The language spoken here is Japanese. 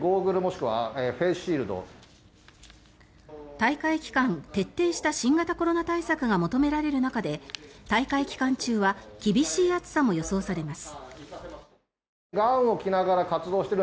大会期間、徹底した新型コロナ対策が求められる中で大会期間中は厳しい暑さも予想されます。